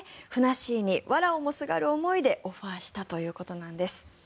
しーにわらをもすがる思いでオファーしたということです。